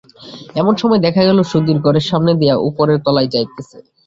এমন সময় দেখা গেল সুধীর ঘরের সামনে দিয়া উপরের তলায় যাইতেছে।